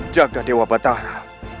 jaga dewa batara